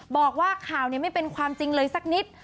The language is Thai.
บอกว่าข่าวไม่เป็นความจริงเลยสักนิด